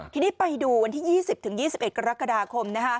ทีนี้ไปดูวันที่๒๐๒๑กรกฎาคม